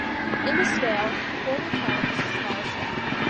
In this scale the quarter tone is the smallest step.